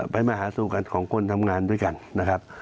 มาหาสู่กันของคนทำงานด้วยกันนะครับ